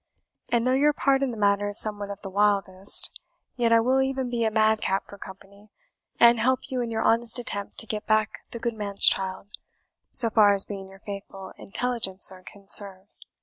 And though your part in the matter is somewhat of the wildest, yet I will e'en be a madcap for company, and help you in your honest attempt to get back the good man's child, so far as being your faithful intelligencer can serve.